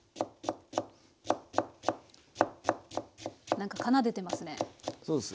なんか奏でてますね。